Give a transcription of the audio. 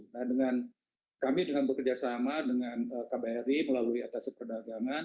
nah dengan kami dengan bekerjasama dengan kbri melalui atas perdagangan